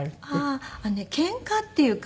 あのねケンカっていうか